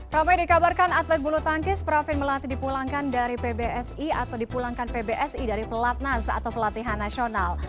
ramai dikabarkan atlet bulu tangkis pravin melati dipulangkan dari pbsi atau dipulangkan pbsi dari pelatnas atau pelatihan nasional